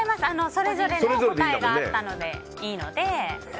それぞれの答えがあっていいので。